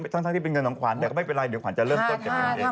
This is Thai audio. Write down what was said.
ทั้งที่เป็นเงินของขวัญแต่ก็ไม่เป็นไรเดี๋ยวขวัญจะเริ่มต้นเก็บเงินเอง